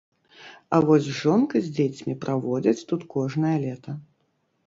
А вось жонка з дзецьмі праводзяць тут кожнае лета.